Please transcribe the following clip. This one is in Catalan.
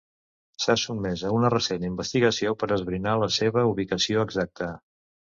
Se 'ha sotmès a una recent investigació per esbrinar la seva ubicació exacta.